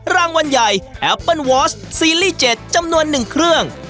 รางวัลใหญ่แอปเปิ้ลวอสซีรีส์๗จำนวน๑เครื่อง